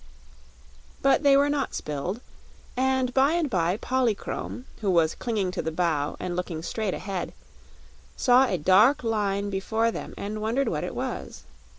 But they were not spilled, and by and by Polychrome, who was clinging to the bow and looking straight ahead, saw a dark line before them and wondered what it was.